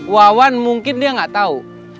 wawan mungkin dia nggak tahu